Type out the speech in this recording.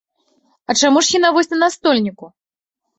А чаму ж яна вось на настольніку?